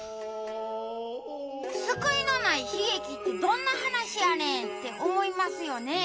「救いのない悲劇ってどんな話やねん！？」って思いますよね？